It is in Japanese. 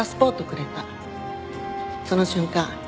その瞬間